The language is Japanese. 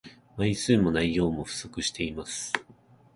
枚数も内容も不足しています